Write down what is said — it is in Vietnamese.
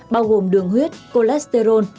bao gồm đường huyết cholesterol